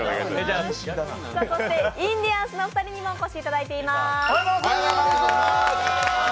そしてインディアンスのお二人にもお越しいただいています。